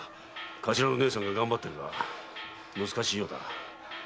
頭の姉さんががんばってるが難しいようだ。